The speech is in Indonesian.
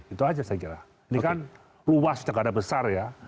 itu aja saya kira ini kan luas jakarta besar ya